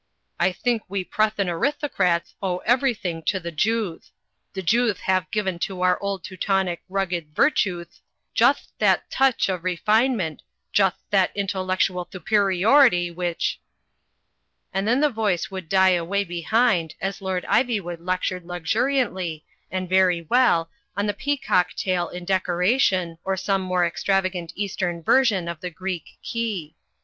I think we Pnit thian arithocrats owe everything to the Jewth. The Jewth have given to our old Teutonic rugged virtueth, jutht that touch of refinement, jutht that intellectual thuperiority which J* And then the voice would die away behind, as Lord Ivjrwood lectured luxuriantly, and very well, on the peacock tail in decoration, or some more extravagant eastern version of the Greek Key.